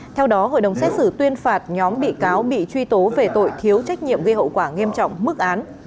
theo đó hội đồng xét xử tuyên phạt nhóm bị cáo bị truy tố về tội thiếu trách nhiệm gây hậu quả nghiêm trọng mức án